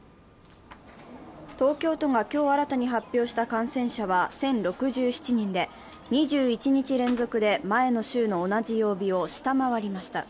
東京都が今日新たに発表した感染者は１０６７人で、２１日連続で前の週の同じ曜日を下回りました。